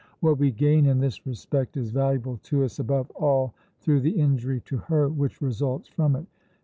What we gain in this respect is valuable to us above all through the injury to her which results from it.